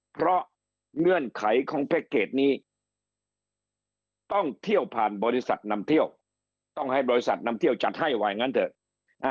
เพราะเงื่อนไขของแพ็คเกจนี้ต้องเที่ยวผ่านบริษัทนำเที่ยวต้องให้บริษัทนำเที่ยวจัดให้ว่าอย่างนั้นเถอะ